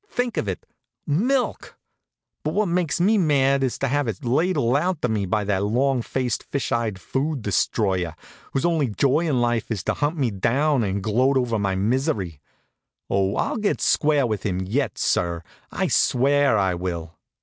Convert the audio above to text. Think of it, milk! But what makes me mad is to have it ladled out to me by that long faced, fish eyed food destroyer, whose only joy in life is to hunt me down and gloat over my misery. Oh, I'll get square with him yet, sir; I swear I will."